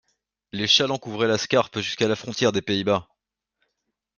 Les chalands couvraient la Scarpe jusqu'à la frontière des Pays-Bas.